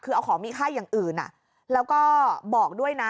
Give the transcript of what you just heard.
คือเอาของมีค่าอย่างอื่นแล้วก็บอกด้วยนะ